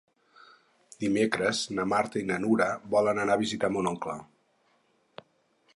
Dimecres na Marta i na Nura volen anar a visitar mon oncle.